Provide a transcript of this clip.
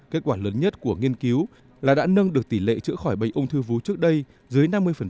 kết quả lớn nhất của nghiên cứu là đã nâng được tỷ lệ chữa khỏi bệnh ung thư vú trước đây dưới năm mươi